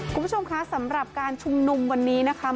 คุณผู้ชมคะสำหรับการชุมนุมวันนี้นะคะ